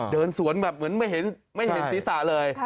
เดินสวนแบบเหมือนไม่เห็นศีรษะเลย